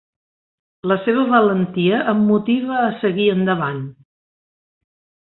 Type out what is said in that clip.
La seva valentia em motiva a seguir endavant.